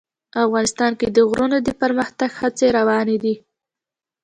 افغانستان کې د غرونه د پرمختګ هڅې روانې دي.